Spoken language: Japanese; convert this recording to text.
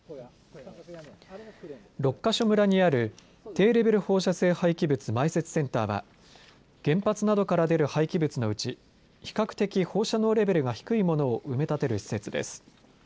六ヶ所村にある低レベル放射性廃棄物埋設センターは原発などから出る廃棄物のうち比較的放射能レベルが低いものを埋め立てる施設です。